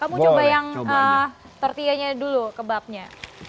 kamu coba yang tortillanya dulu kebabnya